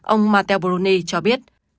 ông matteo bruni cho biết